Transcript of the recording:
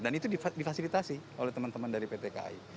dan itu difasilitasi oleh teman teman dari pt kai